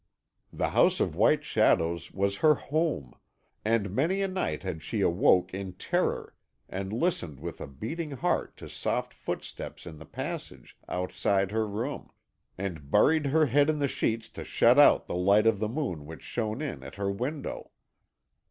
The House of White Shadows was her home, and many a night had she awoke in terror and listened with a beating heart to soft footsteps in the passage outside her room, and buried her head in the sheets to shut out the light of the moon which shone in at her window.